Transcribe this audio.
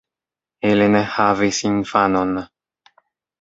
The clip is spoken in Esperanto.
Ili ne havis infanon.